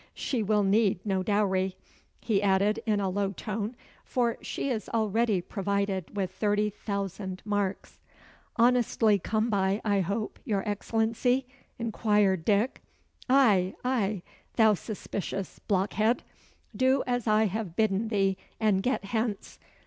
She will need no dowry," he added in a low tone "for she is already provided with thirty thousand marks." "Honestly come by, I hope, your Excellency?" inquired Dick. "Ay, ay thou suspicious blockhead. Do as I have bidden thee, and get hence.